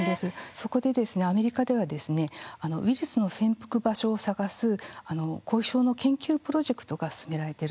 そこでアメリカではですねウイルスの潜伏場所を探す後遺症の研究プロジェクトが進められているんですね。